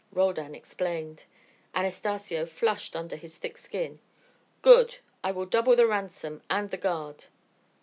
Roldan explained. Anastacio flushed under his thick skin. "Good. I will double the ransom and the guard."